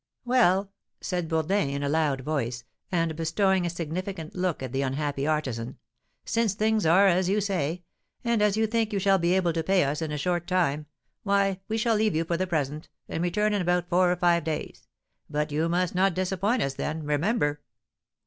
"Well," said Bourdin in a loud voice, and bestowing a significant look on the unhappy artisan, "since things are as you say, and as you think you shall be able to pay us in a short time, why, we shall leave you for the present, and return in about four or five days; but you must not disappoint us then, remember!"